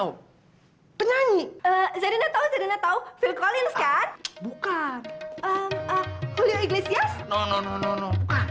om penyanyi zerina tau zerina tau phil collins kan bukan